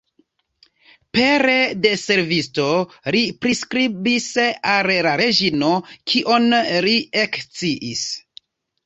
Pere de servisto li priskribis al la reĝino, kion li eksciis.